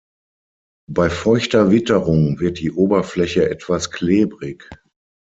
Bei feuchter Witterung wird die Oberfläche etwas klebrig.